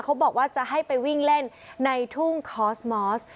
เขาบอกว่าจะให้ไปวิ่งเล่นในทุ่งคอสมอส